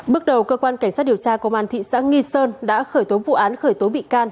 bước đầu cơ quan cảnh sát điều tra công an thị xã nghi sơn đã khởi tố vụ án khởi tố bị can